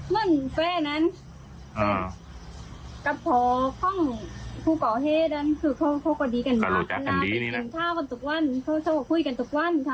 และเป็นสินค้ากันทุกวันเขาก็พูดกันทุกวันค่ะ